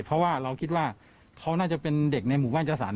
เพราะว่าเราคิดว่าเขาน่าจะเป็นเด็กในหมู่บ้านเจ้าสาร